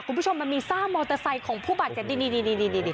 คุณผู้ชมมันมีซากมอเตอร์ไซด์ของผู้บาดเจ็บดีดีดีดีดีดีดี